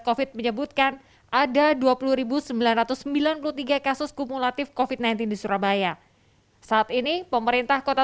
covid menyebutkan ada dua puluh sembilan ratus sembilan puluh tiga kasus kumulatif kofit sembilan belas di surabaya saat ini pemerintah kota